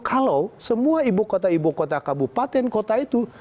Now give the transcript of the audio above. kalau semua ibu kota ibu kota kabupaten kota itu